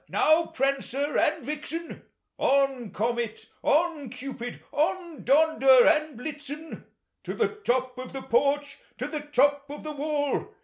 now, Prancer and Vixen ! On, Comet! on, ('lipid! on, Donder and Hlitzeu! To the top of the porch, to the top of the wall